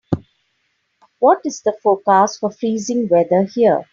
what is the forecast for freezing weather here